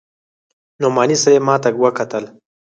نعماني صاحب ما ته وکتل.